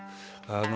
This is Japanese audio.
あの。